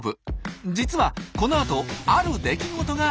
実はこのあとある出来事があったんです。